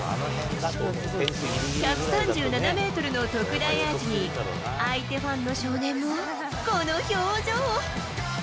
１３７メートルの特大アーチに、相手ファンの少年もこの表情。